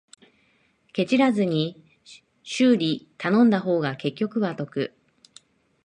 ケチらずに修理頼んだ方が結局は得